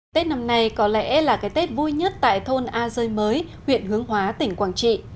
tết năm nay có lẽ là cái tết vui nhất tại thôn a rơi mới huyện hướng hóa tỉnh quảng trị